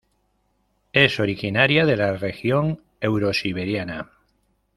Es originaria de la región eurosiberiana.